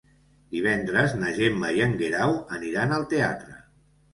Divendres na Gemma i en Guerau aniran al teatre.